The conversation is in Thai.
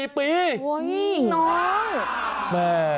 เฮ้ยน้องแม่